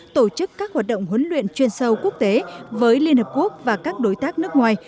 tổ chức các hoạt động huấn luyện chuyên sâu quốc tế với liên hợp quốc và các đối tác nước ngoài